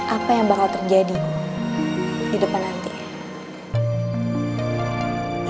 apa yang bakal terjadi di depan nanti